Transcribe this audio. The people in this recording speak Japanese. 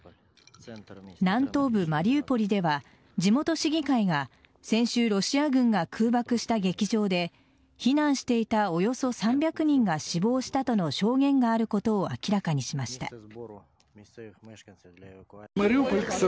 南東部マリウポリでは地元市議会が先週、ロシア軍が空爆した劇場で避難していたおよそ３００人が死亡したとの証言があることを明らかにしました。